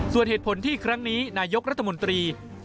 ส่วนเหตุผลที่ครั้งนี้นายกรัฐมนตรี